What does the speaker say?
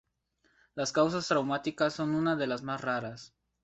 Las causas traumáticas son una de las más raras.